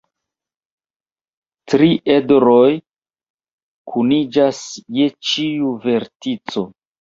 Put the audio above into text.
Tri edroj kuniĝas je ĉiu vertico.